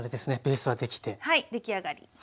はい出来上がり。